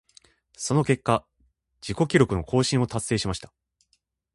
その結果、自己記録の更新を達成しました。